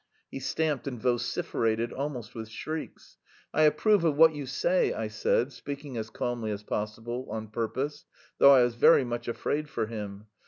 He stamped and vociferated almost with shrieks. "I approve of what you say," I said, speaking as calmly as possible, on purpose, though I was very much afraid for him.